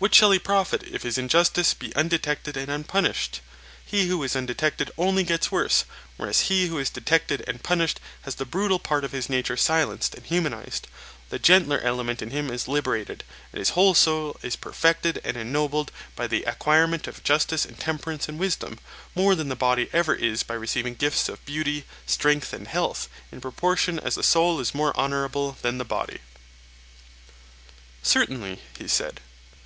What shall he profit, if his injustice be undetected and unpunished? He who is undetected only gets worse, whereas he who is detected and punished has the brutal part of his nature silenced and humanized; the gentler element in him is liberated, and his whole soul is perfected and ennobled by the acquirement of justice and temperance and wisdom, more than the body ever is by receiving gifts of beauty, strength and health, in proportion as the soul is more honourable than the body. Certainly, he said.